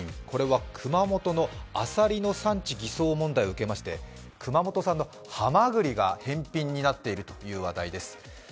これは熊本のアサリの産地偽装問題を受けまして、熊本産のハマグリが返品になっているという話題です。